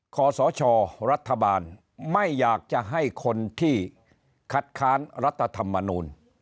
ขอสชรัฐบาลไม่อยากจะให้คนที่คัดค้านรัฐธรรมนูล